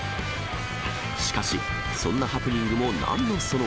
しかし、そんなハプニングもなんのその。